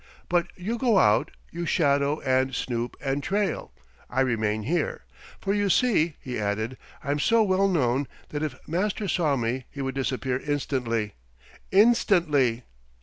But you go out. You shadow and snoop and trail. I remain here. For you see," he added, "I'm so well known that if Master saw me he would disappear instantly. Instantly!"